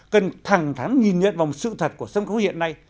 cần thẳng thắn nhìn nhận vòng sự thật của sân khấu hiện nay